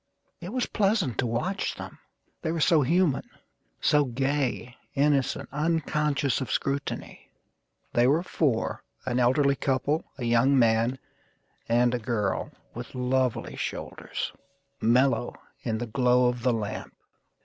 It was pleasant to watch them, they were so human; So gay, innocent, unconscious of scrutiny. They were four: an elderly couple, A young man, and a girl with lovely shoulders Mellow in the glow of the lamp.